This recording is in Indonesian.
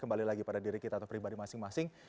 kembali lagi pada diri kita atau pribadi masing masing